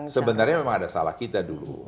sebenarnya memang ada salah kita dulu